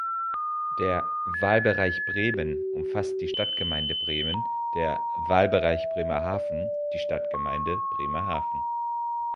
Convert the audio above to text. Der "Wahlbereich Bremen" umfasst die Stadtgemeinde Bremen, der "Wahlbereich Bremerhaven" die Stadtgemeinde Bremerhaven.